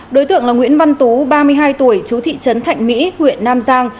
đối tượng là nguyễn văn tú ba mươi hai tuổi chú thị trấn thạnh mỹ huyện nam giang